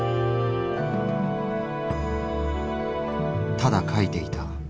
「ただ描いていた。